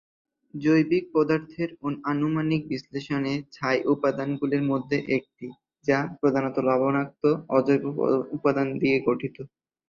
জৈবিক পদার্থের আনুমানিক বিশ্লেষণে ছাই উপাদানগুলির মধ্যে একটি, যা প্রধানত লবণাক্ত, অজৈব উপাদান নিয়ে গঠিত।